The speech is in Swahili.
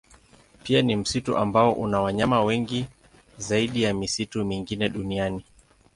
Pia ni msitu ambao una wanyama wengi zaidi ya misitu mingine duniani.